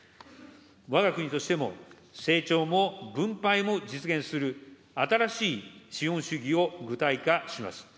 わが国としても、成長も分配も実現する新しい資本主義を具体化します。